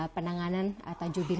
penanganan atau jubir